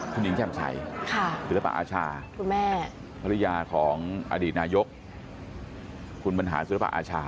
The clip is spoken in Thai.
คุณหญิงแจ่มชัยศิลปะอาชาคุณแม่ภรรยาของอดีตนายกคุณบรรหาศิลปะอาชา